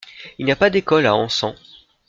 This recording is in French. Il n'y a pas d'école à Ansan.